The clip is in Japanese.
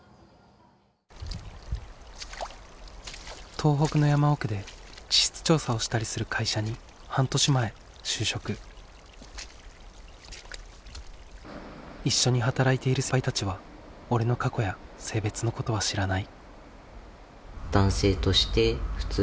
東北の山奥で地質調査をしたりする会社に半年前就職。一緒に働いている先輩たちは俺の過去や性別のことは知らない。